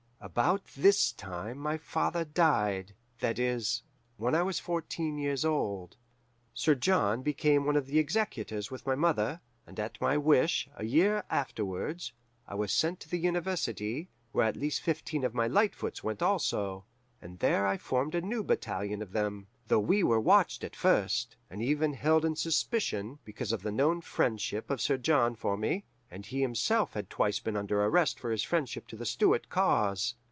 "About this time my father died that is, when I was fourteen years old. Sir John became one of the executors with my mother, and at my wish, a year afterwards, I was sent to the university, where at least fifteen of my Lightfoots went also; and there I formed a new battalion of them, though we were watched at first, and even held in suspicion, because of the known friendship of Sir John for me; and he himself had twice been under arrest for his friendship to the Stuart cause.